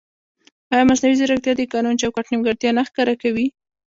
ایا مصنوعي ځیرکتیا د قانوني چوکاټ نیمګړتیا نه ښکاره کوي؟